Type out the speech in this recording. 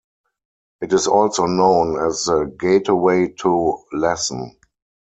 It is also known as "The Gateway to Lassen".